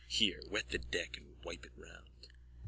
_ Here wet the deck and wipe it round!